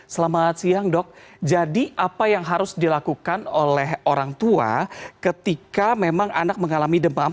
selamat siang dok jadi apa yang harus dilakukan oleh orang tua ketika memang anak mengalami demam